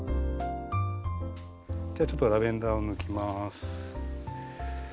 じゃあちょっとラベンダーを抜きます。